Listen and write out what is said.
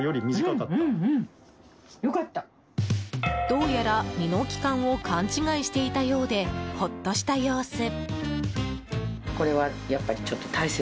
どうやら未納期間を勘違いしていたようでホッとした様子。